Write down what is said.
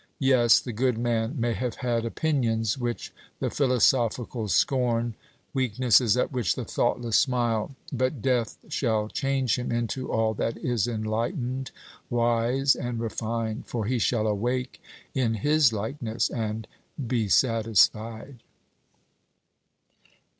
Yes, the good man may have had opinions which the philosophical scorn, weaknesses at which the thoughtless smile; but death shall change him into all that is enlightened, wise, and refined; for he shall awake in "His" likeness, and "be satisfied."